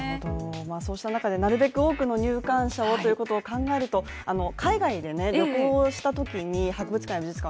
そうした中、なるべく多くの入館者をと考えると、海外で旅行したときに博物館や美術館